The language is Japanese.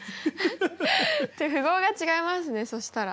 フッ符号が違いますねそしたら。